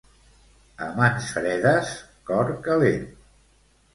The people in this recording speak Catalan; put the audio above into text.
A mans fredes cor calent